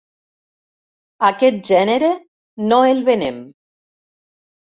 Aquest gènere, no el venem.